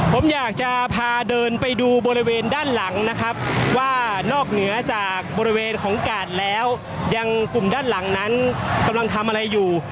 ผมอยากจะพาเดินไปดูบริเวณด้านหลังนะครับว่านอกเหนือจากบริเวณของกาดแล้วยังกลุ่มด้านหลังนั้นกำลังทำอะไรอยู่